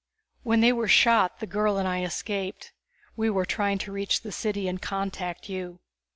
"When they were shot the girl and I escaped. We were trying to reach the city and contact you.